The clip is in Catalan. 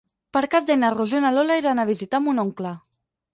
Per Cap d'Any na Rosó i na Lola iran a visitar mon oncle.